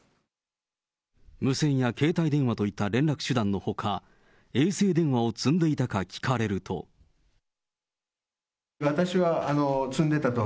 無線や携帯電話といった連絡手段のほか、衛星電話を積んでいたか聞かれると。